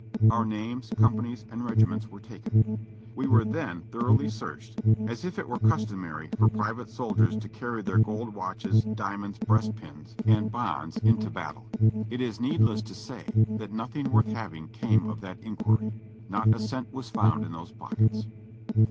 Our names, companies, and regiments were taken, we were then thoroughly searched, as if it were customary for private soldiers to carry their gold watches, diamonds, breastpins, and bonds into CAPTURED 457 battle. It is needless to say that nothing worth having came of that inquiry ; not a cent was found in those pockets.